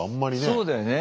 そうだよね。